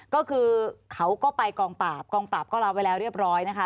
ก็คือเขาก็ไปกองปราบกองปราบก็รับไว้แล้วเรียบร้อยนะคะ